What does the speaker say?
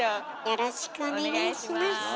よろしくお願いします。